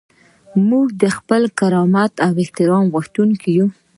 موږ د خپل کرامت او احترام غوښتونکي یو.